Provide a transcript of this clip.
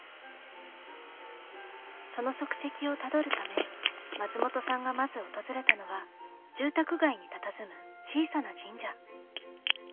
その足跡をたどるため松本さんがまず訪れたのは住宅街にたたずむ小さな神社。